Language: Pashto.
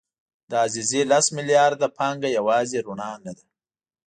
د عزیزي لس میلیارده پانګه یوازې رڼا نه ده.